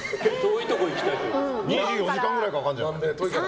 ２４時間ぐらいかかるんじゃない。